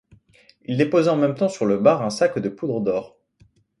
Il déposait en même temps sur le bar un sac de poudre d’or.